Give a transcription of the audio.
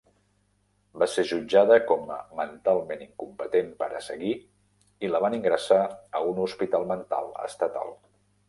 Va ser jutjada com a "mentalment incompetent per a seguir" i la van ingressar a un hospital mental estatal.